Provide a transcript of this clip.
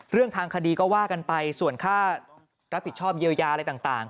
เรื่องทางคดีก็ว่ากันไปส่วนค่ารับผิดชอบเยียวยาอะไรต่าง